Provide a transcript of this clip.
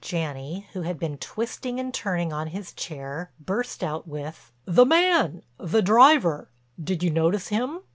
Janney, who had been twisting and turning on his chair, burst out with: "The man—the driver—did you notice him?"